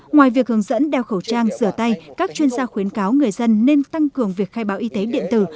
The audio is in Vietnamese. ngoài việc hướng dẫn đeo khẩu trang rửa tay các chuyên gia khuyến cáo người dân nên tăng cường việc khai báo y tế điện tử